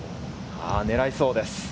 狙いそうです。